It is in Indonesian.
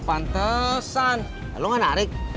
etiesan lu ngarik